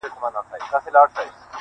• دلته ما په خپلو سترګو دي لیدلي ..